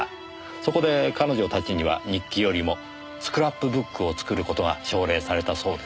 そこで彼女たちには日記よりもスクラップブックを作る事が奨励されたそうですよ。